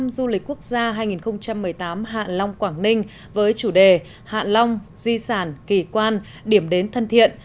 năm du lịch quốc gia hai nghìn một mươi tám hạ long quảng ninh với chủ đề hạ long di sản kỳ quan điểm đến thân thiện